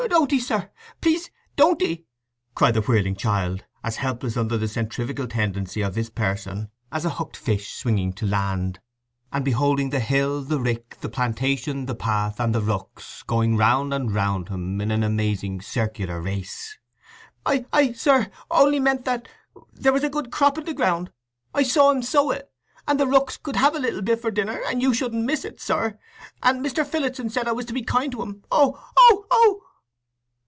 "Don't 'ee, sir—please don't 'ee!" cried the whirling child, as helpless under the centrifugal tendency of his person as a hooked fish swinging to land, and beholding the hill, the rick, the plantation, the path, and the rooks going round and round him in an amazing circular race. "I—I sir—only meant that—there was a good crop in the ground—I saw 'em sow it—and the rooks could have a little bit for dinner—and you wouldn't miss it, sir—and Mr. Phillotson said I was to be kind to 'em—oh, oh, oh!"